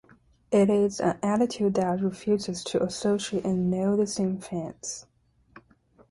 It is an attitude that refuses to associate and know the same fans.